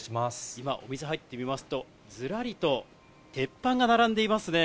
今、お店入ってみますと、ずらりと鉄板が並んでいますね。